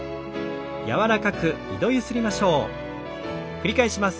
繰り返します。